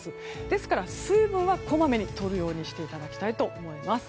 ですから水分はこまめにとるようにしていただきたいと思います。